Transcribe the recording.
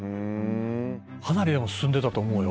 「かなりでも進んでたと思うよ」